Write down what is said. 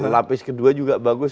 lapis kedua juga bagus